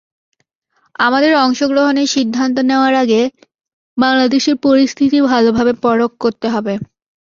আমাদের অংশগ্রহণের সিদ্ধান্ত নেওয়ার আগে বাংলাদেশের পরিস্থিতি ভালোভাবে পরখ করতে হবে।